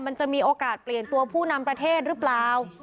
มันจะมีโอกาสเปลี่ยนตัวผู้นำประเทศหรือเปล่า